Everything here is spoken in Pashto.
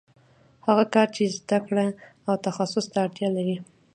هغه کار چې زده کړې او تخصص ته اړتیا لري